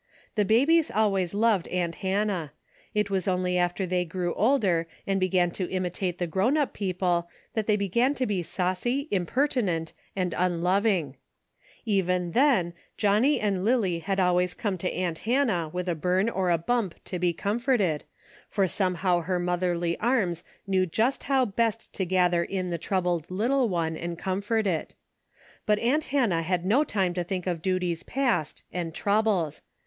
The babies always loved aunt Hannah. It was only after they grew older and began to imitate the grown up people that they began to be saucy, impertinent, and um DAILY RATE.''' 145 loving. Even then, Johnnie and Lily had al ways come to aunt Hannah with a burn or a bump to be comforted, for somehow her motherly arms knew just how best to gather in the troubled little one and comfort it. But aunt Hannah had no time to think of duties past, and troubles.